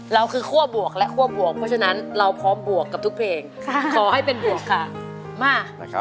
เราคือคั่วบวกและคั่วบวกเพราะฉะนั้นเราพร้อมบวกกับทุกเพลงขอให้เป็นบวกค่ะมา